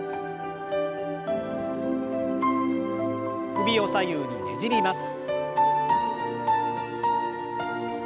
首を左右にねじります。